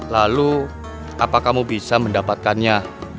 lalu apa kamu bisa mendapatkannya